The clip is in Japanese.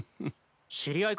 知り合いか？